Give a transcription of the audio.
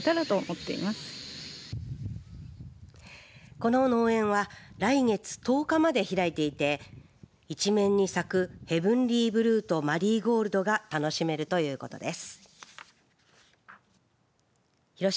この農園は来月１０日まで開いていて一面に咲くヘブンリーブルーとマリーゴールドが楽しめるということです。